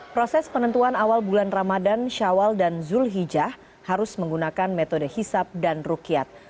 proses penentuan awal bulan ramadan syawal dan zulhijjah harus menggunakan metode hisap dan rukyat